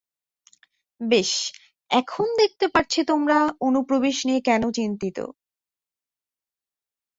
বেশ, এখন দেখতে পারছি তোমরা অনুপ্রবেশ নিয়ে কেন চিন্তিত।